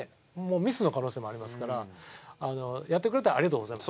ミスの可能性もありますからやってくれたらありがとうございます。